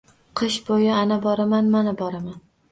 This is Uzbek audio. Qish bo`yi Ana boraman, mana boraman